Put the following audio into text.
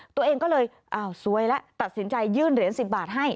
ตัวเองก็เลยอ้าวสวยแล้วตัดสินใจยื่นเหรียญ๑๐บาทให้